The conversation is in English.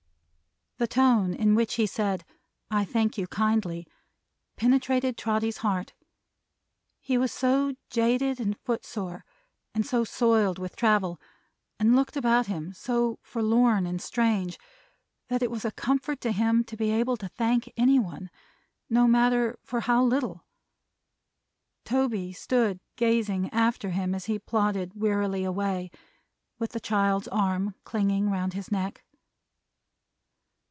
The tone in which he said "I thank you kindly," penetrated Trotty's heart. He was so jaded and foot sore, and so soiled with travel, and looked about him so forlorn and strange, that it was a comfort to him to be able to thank anyone, no matter for how little. Toby stood gazing after him as he plodded wearily away, with the child's arm clinging round his neck.